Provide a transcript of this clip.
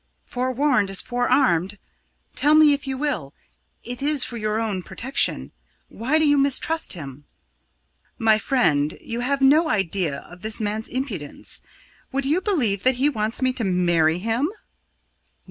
"Forewarned is forearmed. Tell me if you will it is for your own protection. Why do you mistrust him?" "My friend, you have no idea of that man's impudence. Would you believe that he wants me to marry him?"